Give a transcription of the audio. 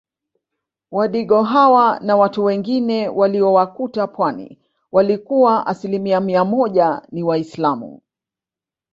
Wadigo hawa na watu wengine waliowakuta pwani walikuwa asilimia mia moja ni waislamu